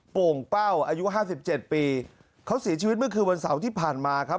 โป่งเป้าอายุห้าสิบเจ็ดปีเขาเสียชีวิตเมื่อคืนวันเสาร์ที่ผ่านมาครับ